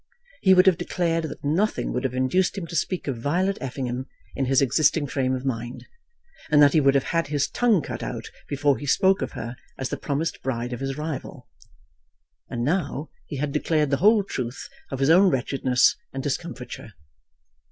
He would have declared that nothing would have induced him to speak of Violet Effingham in his existing frame of mind, and that he would have had his tongue cut out before he spoke of her as the promised bride of his rival. And now he had declared the whole truth of his own wretchedness and discomfiture.